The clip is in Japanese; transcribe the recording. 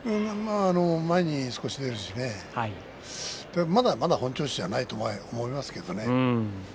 前に出るしねでもまだ本調子じゃないと思いますけどね。